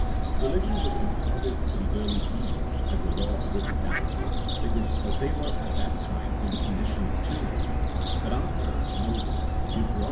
Beligion was imparted to the early Hebrews as a law written down, because they were at that time in the condi tion of children, but afterwards Moses (Deut.